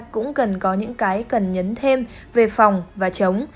cũng cần có những cái cần nhấn thêm về phòng và chống